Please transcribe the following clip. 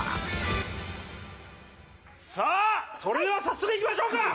さあそれでは早速いきましょうか！